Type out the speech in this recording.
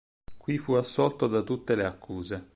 Qui fu assolto da tutte le accuse.